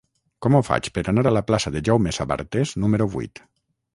Com ho faig per anar a la plaça de Jaume Sabartés número vuit?